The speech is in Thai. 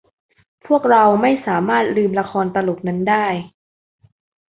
พวกเราไม่สามารถลืมละครตลกนั้นได้